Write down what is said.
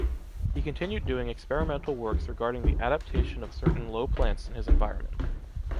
He continued doing experimental works regarding the adaptation of certain low plants in his environment.